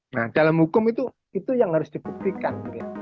nah dalam hukum itu itu yang harus diperhatikan